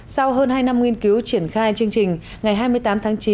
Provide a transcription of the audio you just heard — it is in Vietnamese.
sau hơn hai năm nghiên cứu triển khai chương trình ngày hai mươi tám tháng chín